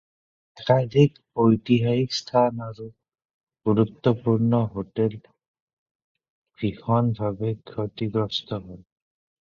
একাধিক ঐতিহাসিক স্থান আৰু গুৰুত্বপূৰ্ণ হোটেল ভীষণভাৱে ক্ষতিগ্ৰস্থ হয়।